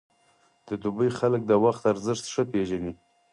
د دوبی خلک د وخت ارزښت ښه پېژني.